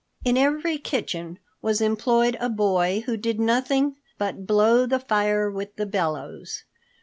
In every kitchen was employed a boy who did nothing but blow the fire with the bellows.